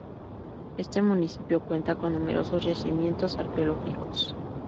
Este municipio cuenta con numerosos yacimientos arqueológicos.